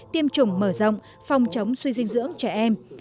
tiêm chủng mở rộng phòng chống suy dinh dưỡng trẻ em